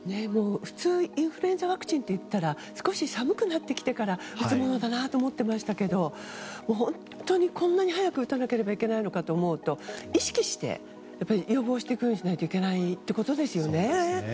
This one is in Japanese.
普通インフルエンザワクチンっていったら少し寒くなってきてから打つものかなと思ってましたけど本当にこんなに早く打たなければいけないのかと思うと意識して予防していくようにしないといけないですよね。